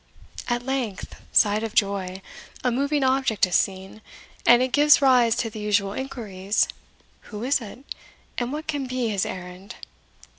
At length, sight of joy! a moving object is seen, and it gives rise to the usual inquiries, Who is it? and what can be his errand?